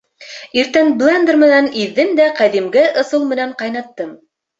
Иртән блендер менән иҙҙем дә ҡәҙимге ысул менән ҡайнаттым.